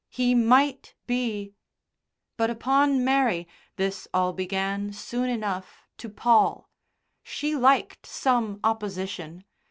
He might be But upon Mary this all began soon enough to pall. She liked some opposition.